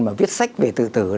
mà viết sách về tự tử